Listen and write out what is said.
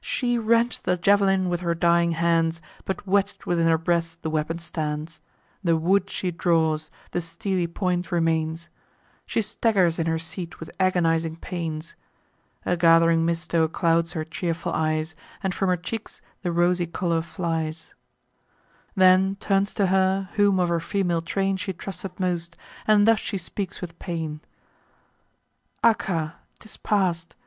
She wrench'd the jav'lin with her dying hands, But wedg'd within her breast the weapon stands; The wood she draws, the steely point remains; She staggers in her seat with agonizing pains: (A gath'ring mist o'erclouds her cheerful eyes, And from her cheeks the rosy colour flies:) Then turns to her, whom of her female train She trusted most, and thus she speaks with pain: "Acca, 'tis past!